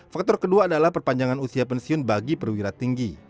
faktor kedua adalah perpanjangan usia pensiun bagi perwira tinggi